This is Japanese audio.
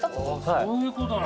そういうことなん？